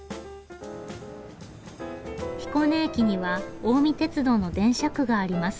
彦根駅には近江鉄道の電車区があります。